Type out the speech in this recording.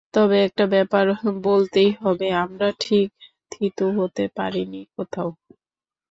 তবে একটা ব্যাপার বলতেই হবে, আমরা ঠিক থিতু হতে পারিনি কোথাও।